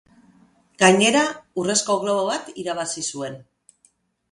Gainera, urrezko globo bat irabazi zuen.